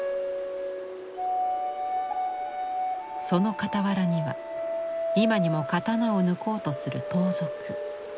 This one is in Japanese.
その傍らには今にも刀を抜こうとする盗賊。